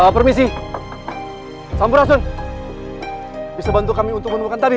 permisi sampai langsung bisa bantu kami untuk menemukan tapi